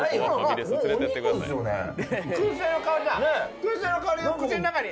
燻製の香りが口の中に。